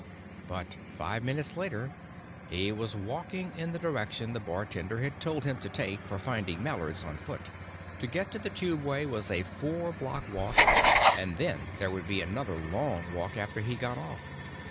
But five minutes later, he was walking in the direction the bartender had told him to take for finding Mallard's on foot. To get to the tubeway was a four block walk, and then there would be another long walk after he got off.